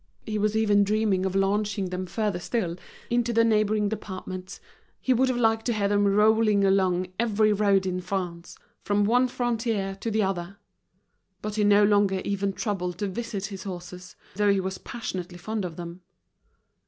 He was even dreaming of launching them further still, into the neighboring departments; he would have liked to hear them rolling along every road in France, from one frontier to the other. But he no longer even troubled to visit his horses, though he was passionately fond of them.